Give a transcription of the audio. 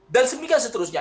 dan sebagainya seterusnya